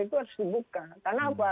itu harus dibuka karena apa